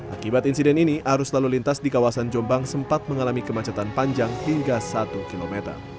akibat insiden ini arus lalu lintas di kawasan jombang sempat mengalami kemacetan panjang hingga satu km